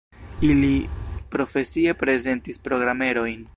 Ili profesie prezentis programerojn.